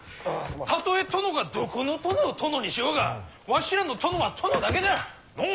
たとえ殿がどこの殿を殿にしようがわしらの殿は殿だけじゃ！のう？